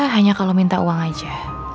hanya kalau minta uang aja